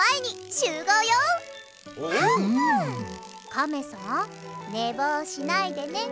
カメさんねぼうしないでね。